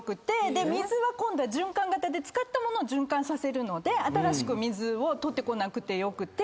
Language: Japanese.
水は循環型で使ったものを循環させるので新しく水を取ってこなくてよくて。